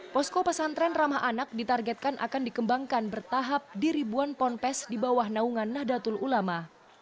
posko pesantren ramah anak ditargetkan akan dikembangkan bertahap di ribuan ponpes di bawah naungan nahdlatul ulama